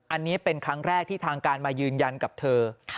อันนี้เป็นครั้งแรกที่ทางการมายืนยันกับเธอ